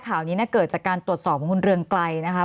ข่าวนี้เกิดจากการตรวจสอบบริกฤษภาคลวงค์เรียงไกล